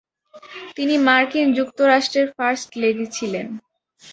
তিনি মার্কিন যুক্তরাষ্ট্রের ফার্স্ট লেডি ছিলেন।